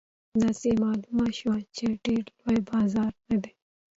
داسې معلومه شوه چې ډېر لوی بازار نه دی.